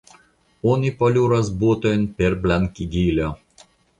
Oni poluras botojn per blankigilo.